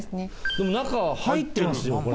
でも中入ってるんですよこれ。